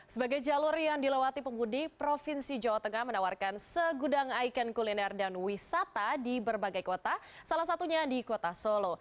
sebagai jalur yang dilewati pemudik provinsi jawa tengah menawarkan segudang ikon kuliner dan wisata di berbagai kota salah satunya di kota solo